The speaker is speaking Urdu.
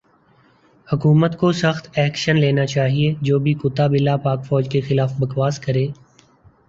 حکومت کو سخت ایکشن لینا چایئے جو بھی کتا بلا پاک فوج کے خلاف بکواس کرے